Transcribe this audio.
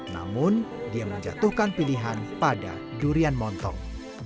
namun dia menjatuhkan pilihan pada durian montong